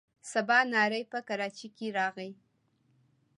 سباناری په کراچۍ کې راغی.